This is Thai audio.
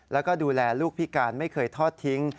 แล้วก็ดูแลลูกพิการไม่เคยทอดทิ้ง